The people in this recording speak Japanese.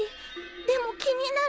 でも気になる。